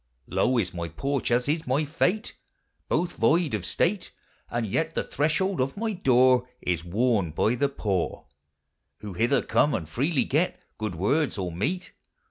Low is my porch, as is mv fate; Both void of state; And vet the threshold of my doore Is worn by the poore, Who hither come and freely get Good words or meat.